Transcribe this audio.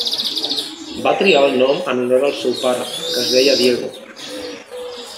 Va triar el nom en honor al seu pare, que es deia Diego.